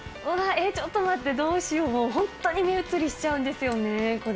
ちょっと待って、どうしよう、もう、本当に目移りしちゃうんですよね、これ。